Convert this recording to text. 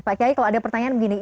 pak kiai kalau ada pertanyaan begini